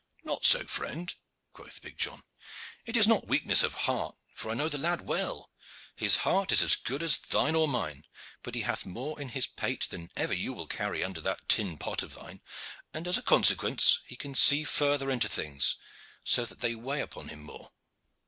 "Not so, friend," quoth big John; "it is not weakness of heart for I know the lad well. His heart is as good as thine or mine but he hath more in his pate than ever you will carry under that tin pot of thine, and as a consequence he can see farther into things, so that they weigh upon him more."